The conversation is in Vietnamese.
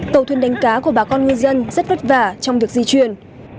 tàu thuyên đánh cá của bà con người dân rất vất vả trong việc di chuyển